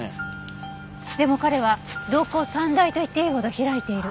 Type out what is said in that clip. でも彼は瞳孔散大と言っていいほど開いている。